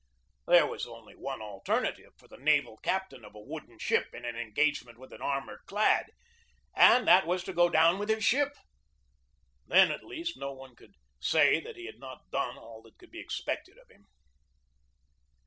There was only one alternative for the naval captain of a BUILDING THE NEW NAVY 163 wooden ship in an engagement with an armor clad, and that was to go down with his ship. Then, at least, no one could say that he had not done all that could be expected of him.